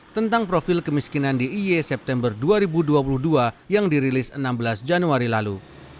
tentang profil kemiskinan d i e september dua ribu dua puluh dua yang dirilis enam belas januari lalu